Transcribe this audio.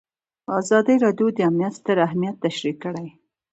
ازادي راډیو د امنیت ستر اهميت تشریح کړی.